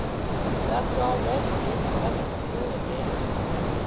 "He's left already. He isn't coming to school again."